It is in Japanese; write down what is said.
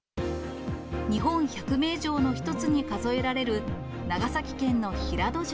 日本１００名城の一つに数えられる、長崎県の平戸城。